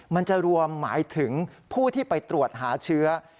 มันจะรวมหมายถึงผู้ที่ไปตรวจหาเชื้อ